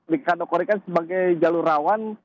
dikategorikan sebagai jalur rawan